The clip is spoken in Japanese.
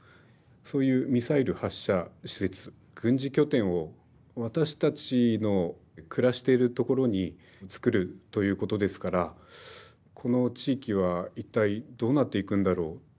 そういうミサイル発射施設軍事拠点を私たちの暮らしているところに造るということですから「この地域は一体どうなっていくんだろう」。